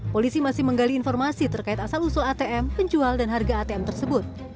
polisi masih menggali informasi terkait asal usul atm penjual dan harga atm tersebut